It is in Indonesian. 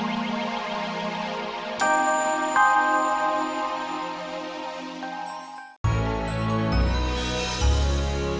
tidak ada katanyah tersenyum namanya